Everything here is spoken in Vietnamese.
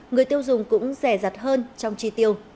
người tiêu dùng cũng rẻ rặt hơn trong chi tiêu